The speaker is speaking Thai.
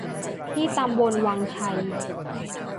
ที่ตำบลวังชัย